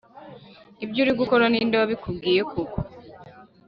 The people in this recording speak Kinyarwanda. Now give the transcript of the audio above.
ibyo uri gukora ninde wabikubwiye koko.